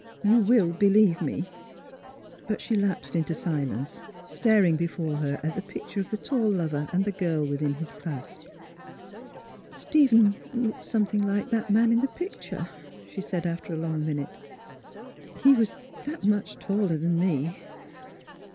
You will believe me." But she lapsed into silence, staring before her at the picture of the tall lover and the girl within his clasp. " Stephen looked something like that man in the picture," she said, after a long minute. ^' He was that much taller than me."